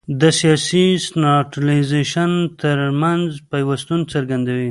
د سیاسي سنټرالیزېشن ترمنځ پیوستون څرګندوي.